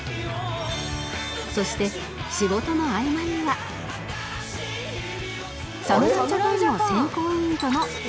そして仕事の合間には侍ジャパンの選考委員との打ち合わせも